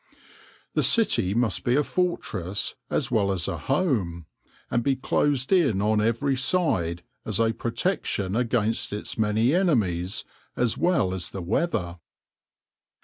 The city must be a fortress as well as a home, and be closed in on every side as a protection against its many enemies, as well as the weather.